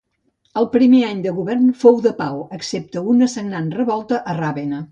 El primer any de govern fou de pau excepte una sagnant revolta a Ravenna.